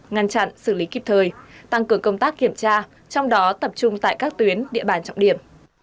ngăn chặn xử lý kịp thời tăng cường công tác kiểm tra trong đó tập trung tại các tuyến địa bàn trọng điểm